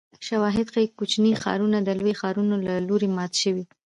شواهد ښيي کوچني ښارونه د لویو ښارونو له لوري مات شوي